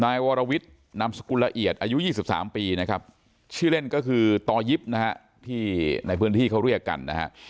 นายวรวิทย์นามสกุลละเอียดอายุ๒๓ปีนะครับชื่อเล่นก็คือต่อยิปนะฮะที่ในพื้นที่เขาเรียกกันนะฮะ